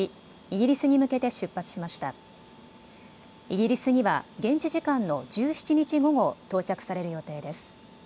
イギリスには現地時間の１７日午後、到着される予定です。